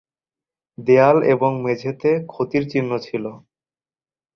দেয়াল এবং মেঝেতে ক্ষতির চিহ্ন ছিল।